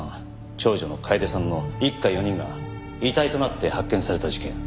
長女の楓さんの一家４人が遺体となって発見された事件。